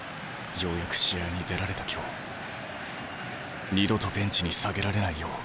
ようやく試合に出られた今日二度とベンチに下げられないよう